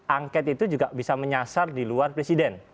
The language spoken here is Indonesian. angket itu juga bisa menyasar di luar presiden